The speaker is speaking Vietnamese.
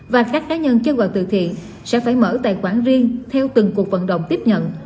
và các khái nhân chưa gọi tự thiện sẽ phải mở tài khoản riêng theo từng cuộc vận động tiếp nhận